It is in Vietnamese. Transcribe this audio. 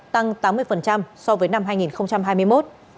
tăng tám mươi so với năm hai nghìn hai mươi một